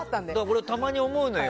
俺、たまに思うのよ。